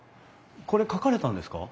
これ描かれたんですか？